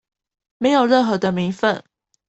沒有任何的名份